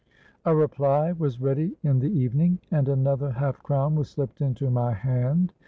A reply was ready in the evening; and another half crown was slipped into my hand.